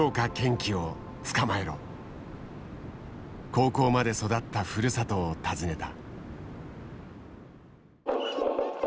高校まで育ったふるさとを訪ねた。